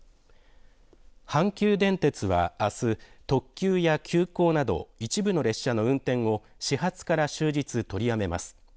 阪急電鉄はあす特急や急行など一部の列車の運転を始発から終日、取りやめます。